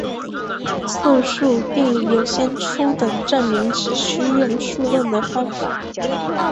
素数定理有些初等证明只需用数论的方法。